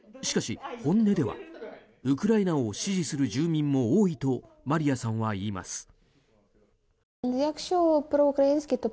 しかし、本音ではウクライナを支持する住民も多いとマリアさんは言います。